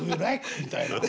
みたいな。